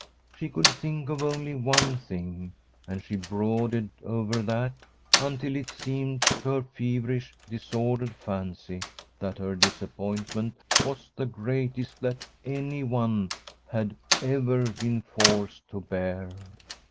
She could think of only one thing, and she brooded over that until it seemed to her feverish, disordered fancy that her disappointment was the greatest that any one had ever been forced to bear.